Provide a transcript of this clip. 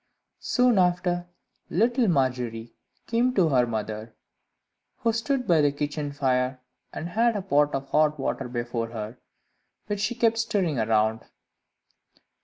Soon after, little Margery came to her mother, who stood by the kitchen fire, and had a pot of hot water before her, which she kept stirring round.